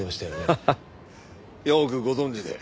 ハハッ。よくご存じで。